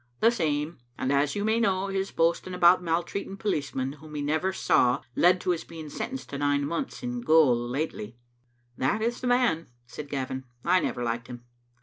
"The same, and, as you may know, his boasting about maltreating policemen whom he never saw led to his being sentenced to nine months in gaol lately. " "That is the man," said Gavin. "I never liked him."